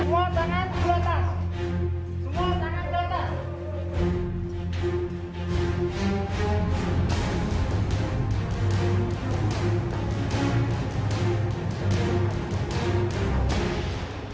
semua tangan ke atas